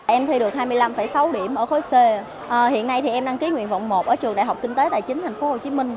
em thi được hai mươi năm sáu điểm ở khối c hiện nay thì em đăng ký nguyện vọng một ở trường đại học kinh tế tài chính tp hcm